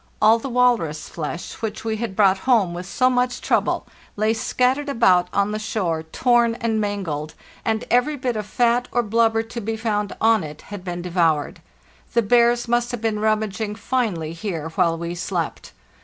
All the walrus flesh which we had brought home with so much trouble lay scattered about on the shore, torn and mangled; and every bit of fat or blubber to be found on it had been devoured. The bears must have been rummaging finely here while we slept.